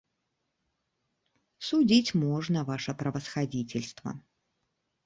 Судзіць можна, ваша правасхадзіцельства.